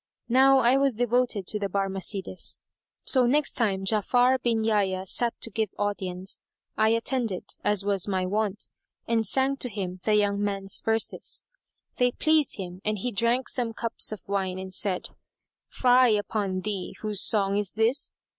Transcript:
Now I was devoted to the Barmecides; so next time Ja'afar bin Yahya sat to give audience, I attended, as was my wont, and sang to him the young man's verses. They pleased him and he drank some cups of wine and said, "Fie upon thee! whose song is this?"